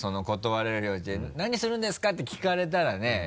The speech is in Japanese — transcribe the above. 断れるように何するんですかって聞かれたらね